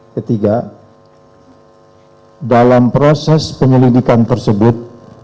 ketiga dalam proses penyelidikan tersebut